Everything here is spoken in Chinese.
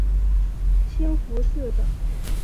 兴福寺的。